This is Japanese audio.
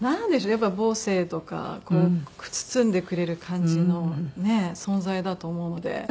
やっぱり母性とかこう包んでくれる感じのねえ存在だと思うので。